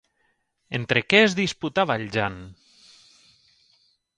Entre què es disputava el Jan?